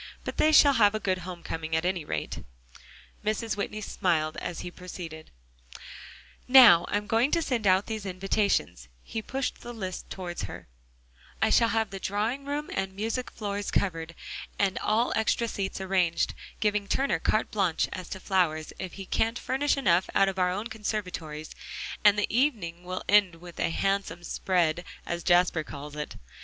But they shall have a good home coming, at any rate." Mrs. Whitney smiled, and he proceeded: "Now I'm going to send out these invitations" he pushed the list toward her "I shall have the drawing room and music room floors covered, and all extra seats arranged, give Turner carte blanche as to flowers, if he can't furnish enough out of our own conservatories and the evening will end with a handsome 'spread,' as Jasper calls it.